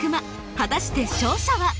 果たして勝者は？